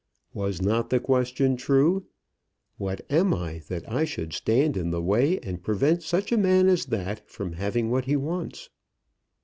Was not the question true? "What am I, that I should stand in the way and prevent such a man as that from having what he wants?"